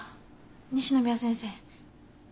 西宮先生。